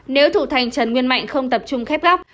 nếu thủ thành trần nguyên mạnh không tập trung khép